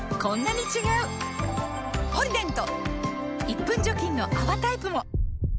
１分除菌の泡タイプも！